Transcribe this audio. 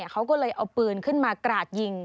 เขาก็เลยเอาปืนขึ้นมากราดยิง